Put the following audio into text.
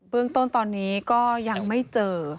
เรื่องต้นตอนนี้ก็ยังไม่เจอ